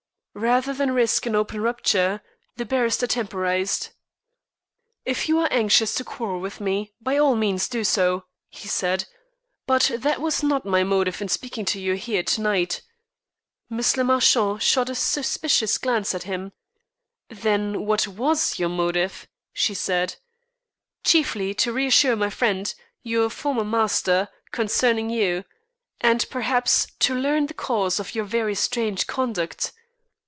Rather than risk an open rupture, the barrister temporized. "If you are anxious to quarrel with me, by all means do so," he said; "but that was not my motive in speaking to you here to night." Miss le Marchant shot a suspicious glance at him. "Then what was your motive," she said. "Chiefly to reassure my friend, your former master, concerning you; and, perhaps, to learn the cause of your very strange conduct."